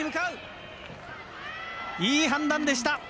いい判断でした。